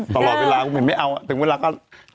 ตลอดเวลาคุณเห็นไม่เอาถึงเวลาก็